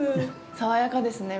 爽やかですね。